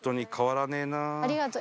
ありがとう。